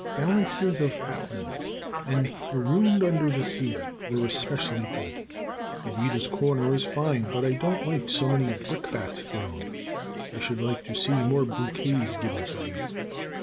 "Phalanxes of Atlans" and "Marooned Under the Sea" were especially good. "The Readers' Corner" is fine, but I don't like so many brickbats thrown. I should like to see more bouquets given to you.